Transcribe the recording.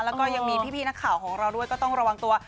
แล้วก็ยังมีพี่นักข่าวของเราด้วยก็ต้องระวังตัว